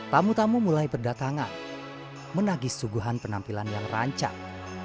kamu kamu mulai berdatangan menagis suguhan penampilan yang rancak